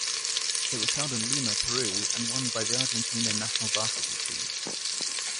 It was held in Lima, Peru and won by the Argentina national basketball team.